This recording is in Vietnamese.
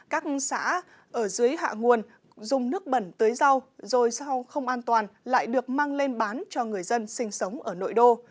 các xã ở dưới hạ nguồn dùng nước bẩn tưới rau rồi sao không an toàn lại được mang lên bán cho người dân sinh sống ở nội đô